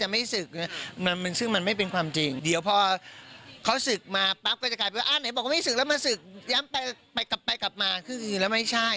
ไม่ศึกแล้วมาศึกไปกลับมาคือกิ๊กละไม่ใช่